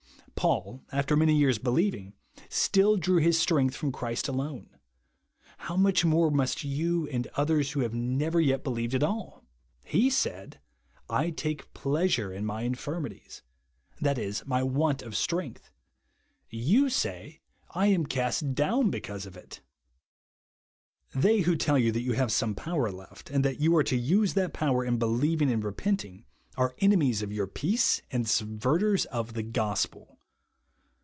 Paul, after many years' believing, still drew liis strength from Christ alone; how much more must you and otliers who have never yet believed at all ? He said, " I take pleasure in my infirmities^' tliat is, my want of strength. You say, I am cast down because of it ! They who tell 3^ou that you have some power left, and that you are to use that power in believing and repenting, are enemies of your peace, and subverters of the gospel.